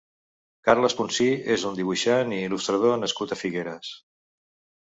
Carles Ponsí és un dibuixant i il·lustrador nascut a Figueres.